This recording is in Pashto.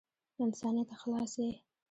له انسانیته خلاص یې .